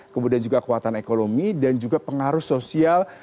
kemudian juga kekuatan ekonomi dan juga pengaruh sosial